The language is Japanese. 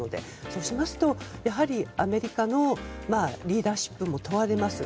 そうしますとアメリカのリーダーシップも問われます。